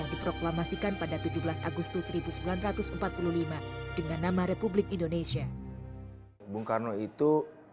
dan kata hal kit ku